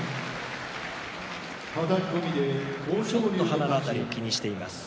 ちょっと鼻の辺りを気にしています。